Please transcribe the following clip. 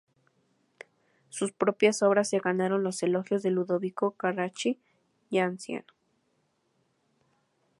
Sus propias obras se ganaron los elogios de Ludovico Carracci, ya anciano.